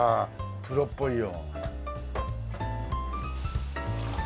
プロっぽいよ。